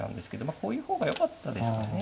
あこういう方がよかったですかね。